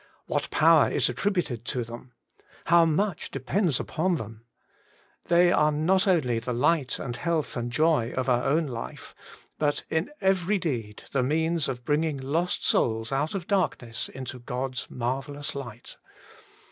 What power is attrib uted to them. How much depends upon them. They are not only the light and 16 Working for God 17 health and joy of our own life, but in every deed the means of bringing lost souls out of darkness into God's marvellous light.